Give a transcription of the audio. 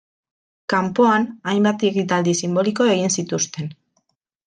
Kanpoan, hainbat ekitaldi sinboliko egin zituzten.